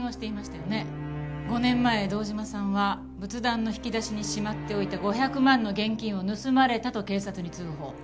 ５年前堂島さんは仏壇の引き出しにしまっておいた５００万の現金を盗まれたと警察に通報。